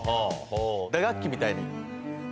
打楽器みたいに。